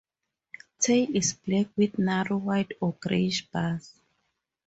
Tail is black with narrow white or greyish bars.